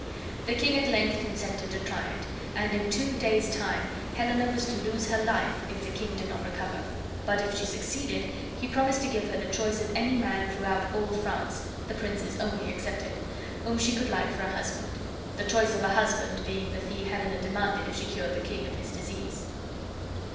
The king at length consented to try it, and in two days' time Helena was to lose her fife if the king did not recover; but if she succeeded, he promised to give her the choice of any man throughout all France (the princes only excepted) whom she could like for a husband; the choice of a husband being the fee Helena demanded if she cured the king of his disease.